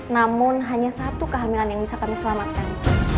namun hanya satu kehamilan yang bisa kami selamatkan